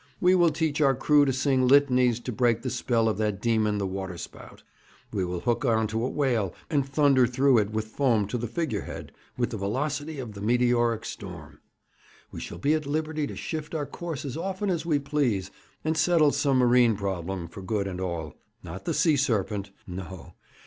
We will teach our crew to sing litanies to break the spell of that demon the waterspout. We will hook on to a whale, and thunder through it with foam to the figure head, with the velocity of the meteoric storm. We shall be at liberty to shift our course as often as we please, and settle some marine problem for good and all; not the sea serpent no.